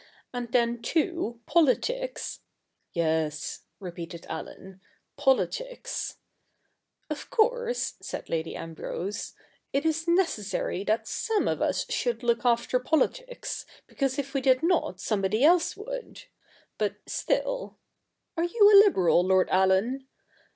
And then, too, politics '' Yes,' repeated Allen, ' politics '* Of course,' said Lady Ambrose, ' it is necessary that some of us should look after politics, because if we did not somebody else would. But still — (are you a Liberal, Lord Allen?)